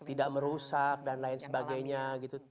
tidak merusak dan lain sebagainya gitu